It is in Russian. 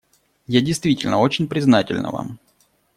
Я действительно очень признательна вам.